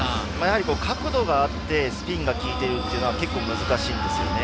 角度があってスピンが効いているというのは結構難しいんですよね。